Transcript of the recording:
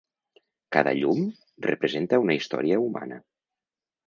Cada llum representa una història humana.